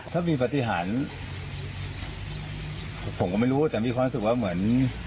ถ้ามีปฏิหารผมก็ไม่รู้แต่มีความรู้สึกว่าเหมือน